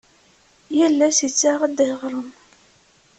Yal ass ittaɣ-d aɣrum.